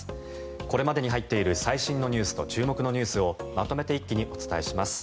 これまでに入っている最新ニュースと注目ニュースをまとめて一気にお伝えします。